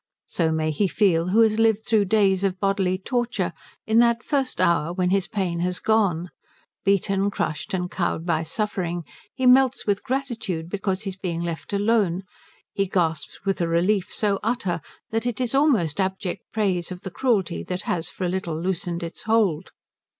So may he feel who has lived through days of bodily torture in that first hour when his pain has gone: beaten, crushed, and cowed by suffering, he melts with gratitude because he is being left alone, he gasps with a relief so utter that it is almost abject praise of the Cruelty that has for a little loosened its hold.